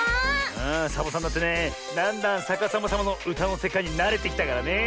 ああサボさんだってねだんだんさかさまさまのうたのせかいになれてきたからね。